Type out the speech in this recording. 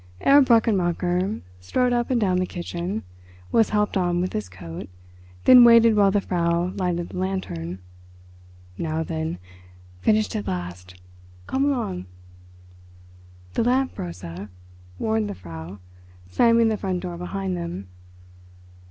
Herr Brechenmacher strode up and down the kitchen, was helped on with his coat, then waited while the Frau lighted the lantern. "Now, then—finished at last! Come along." "The lamp, Rosa," warned the Frau, slamming the front door behind them.